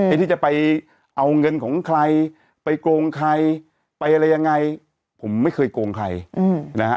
ที่จะไปเอาเงินของใครไปโกงใครไปอะไรยังไงผมไม่เคยโกงใครนะฮะ